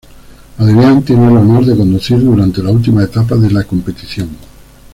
Adrián tiene el honor de conducir durante la última etapa de la competición.